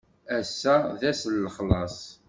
Ass-a d ass n lexlaṣ?